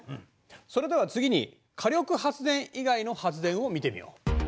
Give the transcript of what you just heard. それでは次に火力発電以外の発電を見てみよう。